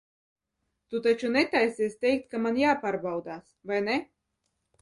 Tu taču netaisies teikt, ka man jāpārbaudās, vai ne?